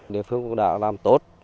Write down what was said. địa phương cũng đã làm tốt